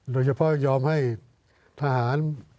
โดยเฉพาะยอมให้ทหาร